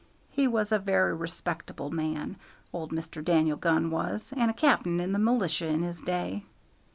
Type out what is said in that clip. He was a very respectable man, old Mr. Dan'el Gunn was, and a cap'n in the militia in his day.